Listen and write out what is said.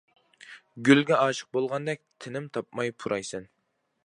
گۈلگە ئاشىق بولغاندەك، تىنىم تاپماي پۇرايسەن.